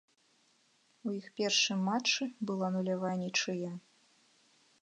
У іх першым матчы была нулявая нічыя.